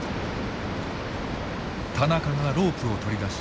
田中がロープを取り出し